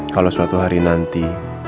kalau suatu hari nanti